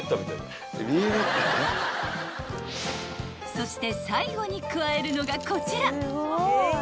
［そして最後に加えるのがこちら］